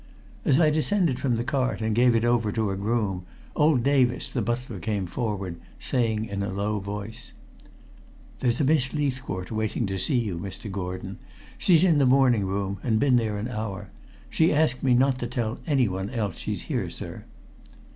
As I descended from the cart and gave it over to a groom, old Davis, the butler, came forward, saying in a low voice: "There's Miss Leithcourt waiting to see you, Mr. Gordon. She's in the morning room, and been there an hour. She asked me not to tell anyone else she's here, sir."